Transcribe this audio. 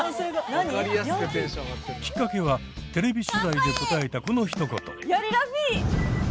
きっかけはテレビ取材で答えたこの一言。